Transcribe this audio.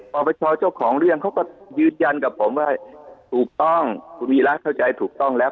ปปชเจ้าของเรื่องเขาก็ยืนยันกับผมว่าถูกต้องคุณวีรักษ์เข้าใจถูกต้องแล้ว